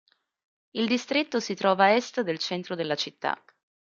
Il distretto si trova a est del centro della città.